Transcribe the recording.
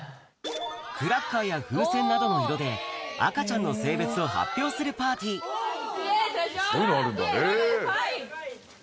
クラッカーや風船などの色で、赤ちゃんの性別を発表するパーテそういうのあるんだ。